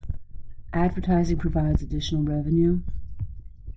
Advertising provides additional revenue.